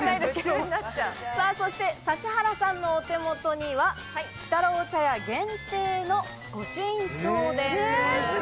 指原さんのお手元には鬼太郎茶屋限定の御朱印帳です。